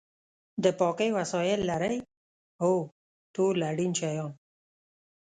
د پاکۍ وسایل لرئ؟ هو، ټول اړین شیان